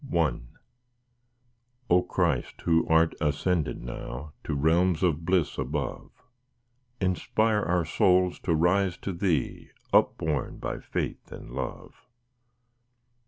I O Christ, who art ascended now To realms of bliss above, Inspire our souls to rise to Thee, Upborne by faith and love.